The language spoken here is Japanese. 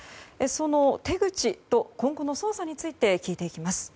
その手口と今後の捜査について聞いていきます。